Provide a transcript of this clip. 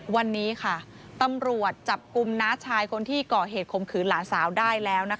วันนี้ตำรวจจับกุมน้าชายคนที่เก่าเหตุความคืนหลานสาวได้แล้ว